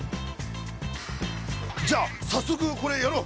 じゃあ早速これやろう！